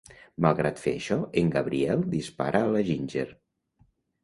Malgrat fer això, en Gabriel dispara a la Ginger.